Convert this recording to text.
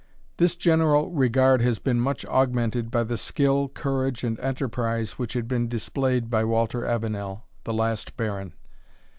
This general regard had been much augmented by the skill, courage, and enterprise which had been displayed by Walter Avenel, the last Baron.